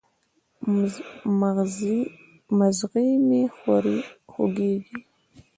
مځغی مي خوږیږي